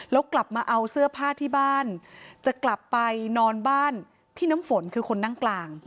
แล้วกลับมาเอาเสื้อผ้าที่บ้านจะกลับไปนอนบ้านพี่น้ำฝนคือคนนั่งกลาง